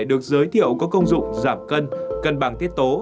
được giới thiệu có công dụng giảm cân cân bằng tiết tố